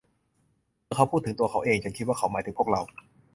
เมื่อเขาพูดถึงตัวเขาเอง ฉันคิดว่าเขาหมายถึงพวกเรา